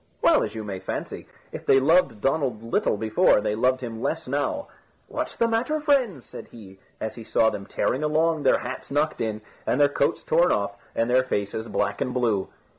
Well, as you may fancy, if they loved Donald little before, they loved him less now. "What's the matter, friends?" said he, as he saw them tearing along, their hats knocked in, and their coats torn off, and their faces black and blue.